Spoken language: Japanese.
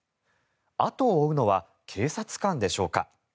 後を追うのは警察官でしょうか。